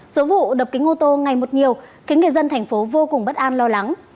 số vụ đập kính ô tô ngày một nhiều khiến người dân thành phố vô cùng bất an lo lắng